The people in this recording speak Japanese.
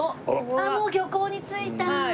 もう漁港に着いた！